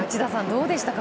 どうでしたか？